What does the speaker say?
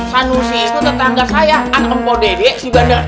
sanusi itu tetangga saya anak empau dede si bandar kiong